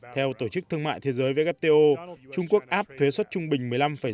theo tổ chức thương mại thế giới wto trung quốc áp thuế xuất trung bình một mươi năm tám